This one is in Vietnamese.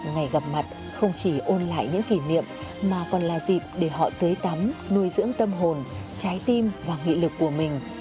ngày gặp mặt không chỉ ôn lại những kỷ niệm mà còn là dịp để họ tưới tắm nuôi dưỡng tâm hồn trái tim và nghị lực của mình